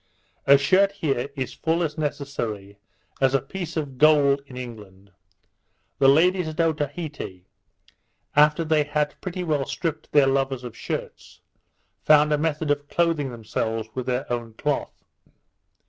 A shirt here is full as necessary as a piece of gold in England. The ladies at Otaheite, after they had pretty well stripped their lovers of shirts, found a method of clothing themselves with their own cloth.